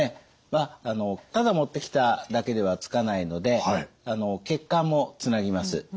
まあただ持ってきただけではつかないので血管もつなぎます。